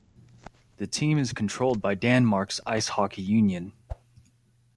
The team is controlled by Danmarks Ishockey Union.